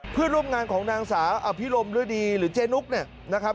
เพื่อนร่วมงานของนางสาอภิรมดิหรือเจนุ๊กนะครับ